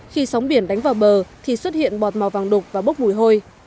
khi sóng biển đánh vào bờ thì xuất hiện bọt màu vàng đục và bốc mùi hôi